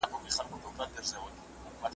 خدای پیدا پر مخ د مځکي انسانان کړل .